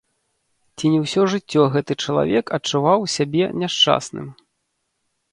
Ці не ўсё жыццё гэты чалавек адчуваў сябе няшчасным.